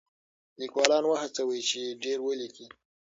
لیکوالان وهڅوئ چې ډېر ولیکي.